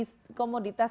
ya pertama komoditas